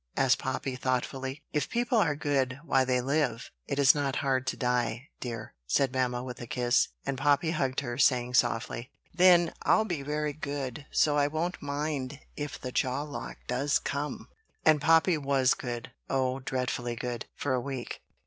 asked Poppy thoughtfully. "If people are good while they live, it is not hard to die, dear," said mamma, with a kiss; and Poppy hugged her, saying softly: "Then I'll be very good; so I won't mind, if the jawlock does come." And Poppy was good, oh, dreadfully good! for a week.